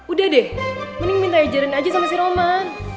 udah deh mending minta ajarin aja sama si roma